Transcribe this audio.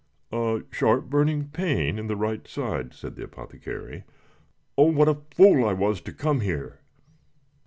"A sharp burning pain in the right side," said the apothecary. "Oh, what a fool I was to come here!"